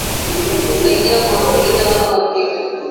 esaidia kuambukiza watu afrika